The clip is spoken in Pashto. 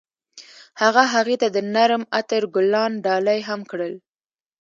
هغه هغې ته د نرم عطر ګلان ډالۍ هم کړل.